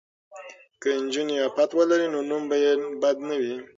که نجونې عفت ولري نو نوم به یې بد نه وي.